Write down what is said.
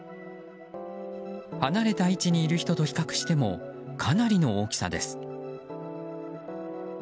離れた位置にいる人と比較してもかなりの大きさです。